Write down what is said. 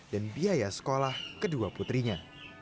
dan biaya sekolah kedua putrinya